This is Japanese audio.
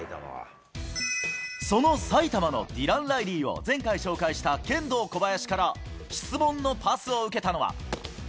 その埼玉のディラン・ライリーを前回紹介したケンドーコバヤシから、質問のパスを受けたのは。